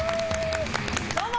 どうも！